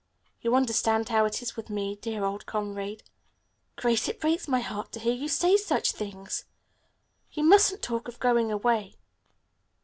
You understand how it is with me, dear old comrade." "Grace, it breaks my heart to hear you say such things! You mustn't talk of going away."